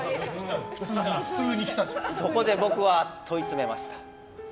そこで僕は問い詰めました。